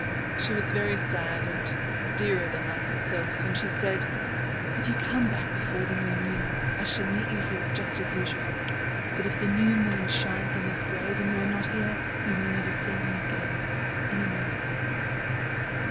She was very sad, and dearer than life itself. And she said— "'If you come back before the new moon I shall meet you here just as usual. But if the new moon shines on this grave and you are not here—you will never see me again any more.'